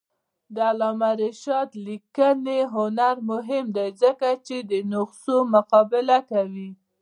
د علامه رشاد لیکنی هنر مهم دی ځکه چې نسخو مقابله کوي.